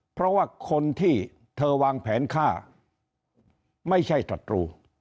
เพราะว่าคนที่เธอวางแผนฆ่าไม่ใช่ตรู